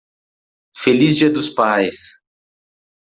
Feliz dia dos pais!